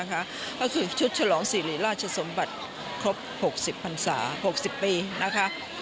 ก็คือชุดฉลองศิริราชสมบัติครบ๖๐พันศา๖๐ปีนะคะ